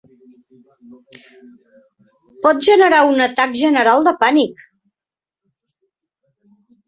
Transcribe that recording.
Pot generar un atac general de pànic.